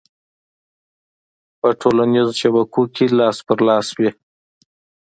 ه ټولنیزو شبکو کې لاس په لاس شوې